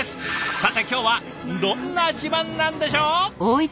さて今日はどんな自慢なんでしょう。